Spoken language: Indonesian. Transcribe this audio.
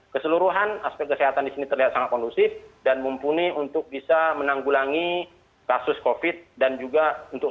keseluruhan aspek kesehatan di sini terlihat sangat kondusif dan mumpuni untuk bisa menanggulangi kasus covid sembilan belas dan juga untuk selamatkan orang orang yang teraspek terkena covid sembilan belas